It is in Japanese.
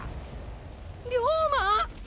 龍馬！？